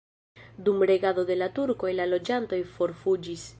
Dum regado de la turkoj la loĝantoj forfuĝis.